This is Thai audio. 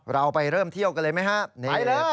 เราไปเที่ยวกันยังไหมครับ